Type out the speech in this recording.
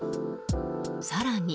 更に。